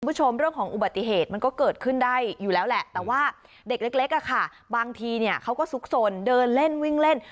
คุณผู้ชมเรื่องของอุบัติเหตุมันก็เกิดขึ้นได้อยู่แล้วแหละแต่ว่าเด็กเล็กอะค่ะบางทีเนี่ยเขาก็ซุกสนเดินเล่นวิ่งเล่น